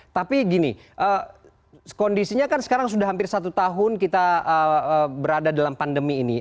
tapi gini kondisinya kan sekarang sudah hampir satu tahun kita berada dalam pandemi ini